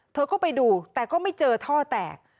เธอก็ไปดูแต่ก็ไม่เจอท่อแตก